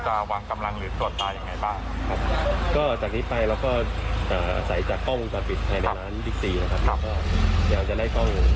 ดูว่าหลังกระเทศกรอบกระเทศเป็นอย่างไร